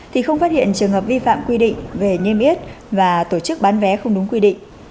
thì không phát hiện trường hợp vi phạm quy định về niêm yết và tổ chức bán vé không đúng quy định